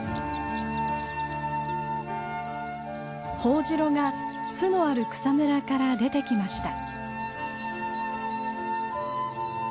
ホオジロが巣のある草むらから出てきました。